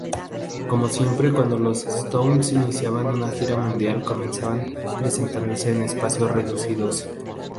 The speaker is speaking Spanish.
Como siempre cuando los Stones iniciaban una gira mundial comenzaban presentándose en espacios reducidos.